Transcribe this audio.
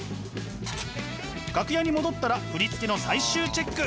楽屋に戻ったら振り付けの最終チェック。